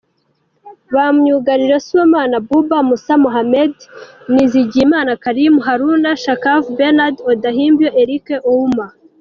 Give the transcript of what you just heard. Ba myugariro: Sibomana Abuba, Musa Mohamed, Nizigiyimana Karim, Harun Shakava, Bernard Odhiambo, Erick Ouma.